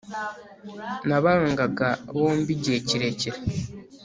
Nabangaga bombi igihe kirekire